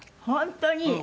「本当に？